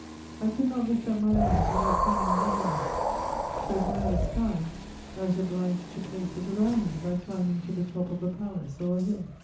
I could not lift up my eyes without feeling dizziness; to admire the sky, I was obliged to place it around me by climbing to the top of a palace or a hill.